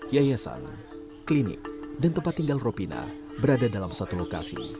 yayasan klinik dan tempat tinggal ropina berada dalam satu lokasi